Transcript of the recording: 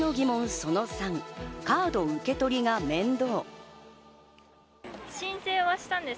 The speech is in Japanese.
その３、カード受け取りが面倒。